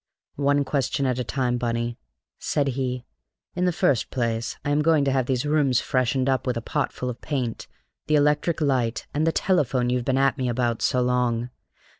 "One question at a time, Bunny," said he. "In the first place, I am going to have these rooms freshened up with a potful of paint, the electric light, and the telephone you've been at me about so long."